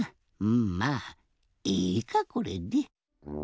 うんまあいいかこれで。